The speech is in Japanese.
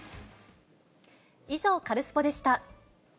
以上、カルスポっ！でした。